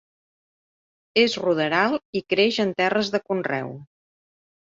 És ruderal i creix en terres de conreu.